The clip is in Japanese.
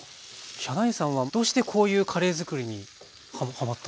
ヒャダインさんはどうしてこういうカレーづくりにはまったんですか？